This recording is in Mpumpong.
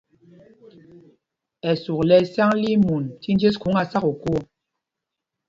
Ɛsûk lɛ ɛsyǎŋ li í mun tí njes khûŋ á sá kokō ɔ.